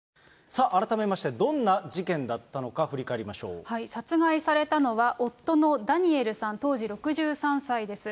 さあ、改めまして、どんな事件だったのか、殺害されたのは、夫のダニエルさん、当時６３歳です。